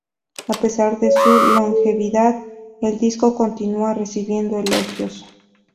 A pesar de su longevidad, el disco continúa recibiendo elogios.